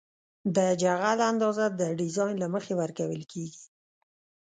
د جغل اندازه د ډیزاین له مخې ورکول کیږي